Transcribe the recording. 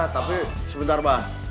tapi sebentar pak